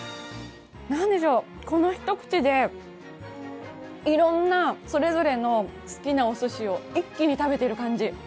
この一口でいろんな、それぞれの好きなおすしを一気に食べている感じ。